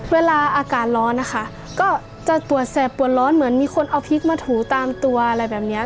เวลาอากาศร้อนนะคะก็จะปวดแสบปวดร้อนเหมือนมีคนเอาพริกมาถูตามตัวอะไรแบบเนี้ย